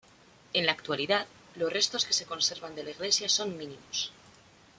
En la actualidad, los restos que se conservan de la iglesia son mínimos.